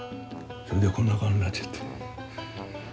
でこんな顔になっちゃって。